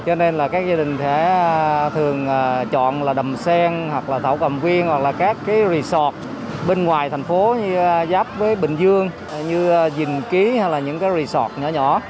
cho nên là các gia đình thường chọn là đầm sen hoặc là thảo cầm viên hoặc là các resort bên ngoài tp hcm giáp với bình dương như dình ký hoặc là những resort